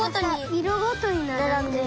いろごとにならんでる。